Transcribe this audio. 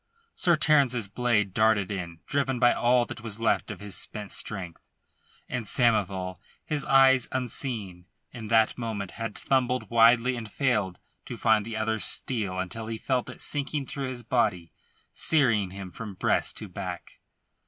Sir Terence's blade darted in, driven by all that was left of his spent strength, and Samoval, his eyes unseeing, in that moment had fumbled widely and failed to find the other's steel until he felt it sinking through his body, searing him from breast to back.